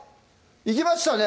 いきましたね